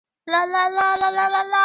古希腊历法中也包含这两个周期。